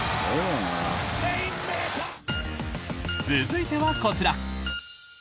続いてはこちら。